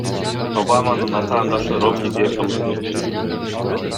Обаманын атаандашы — Ромниге добушумду бермекмин.